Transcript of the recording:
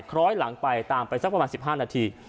คล้อยหลังไปตามไปสักประมาณ๑๕นาที